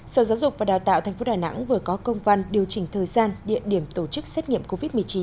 sở giáo dục và đào tạo tp đà nẵng vừa có công văn điều chỉnh thời gian địa điểm tổ chức xét nghiệm covid một mươi chín